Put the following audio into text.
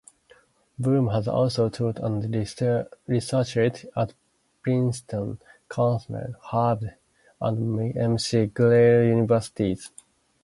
Bloom has also taught and researched at Princeton, Cornell, Harvard, and McGill Universities.